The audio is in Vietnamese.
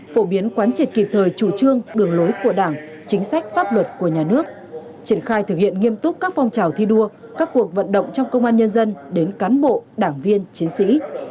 phổ biến quán triệt kịp thời chủ trương đường lối của đảng chính sách pháp luật của nhà nước triển khai thực hiện nghiêm túc các phong trào thi đua các cuộc vận động trong công an nhân dân đến cán bộ đảng viên chiến sĩ